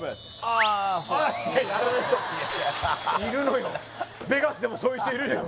そうかいるのよベガスでもそういう人いるのよ